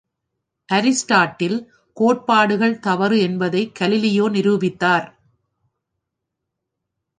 Aristotle கோட்பாடுகள் தவறு என்பதைக் கலீலியோ நிரூபித்தார்!